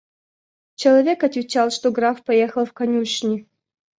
Человек отвечал, что граф поехал в конюшни.